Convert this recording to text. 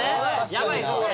やばいぞこれ。